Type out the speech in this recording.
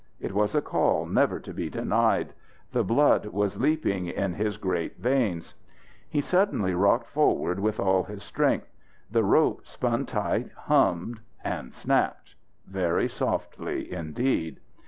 It was a call never to be denied. The blood was leaping in his great veins. He suddenly rocked forward with all his strength. The rope spun tight, hummed, and snapped very softly indeed.